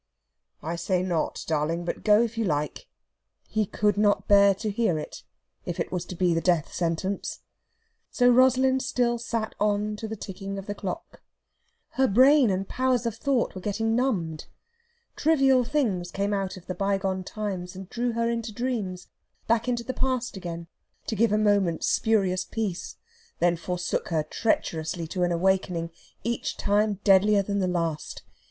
"I say not, darling; but go, if you like." He could not bear to hear it, if it was to be the death sentence. So Rosalind still sat on to the ticking of the clock. Her brain and powers of thought were getting numbed. Trivial things came out of the bygone times, and drew her into dreams back into the past again to give a moment's spurious peace; then forsook her treacherously to an awakening, each time deadlier than the last.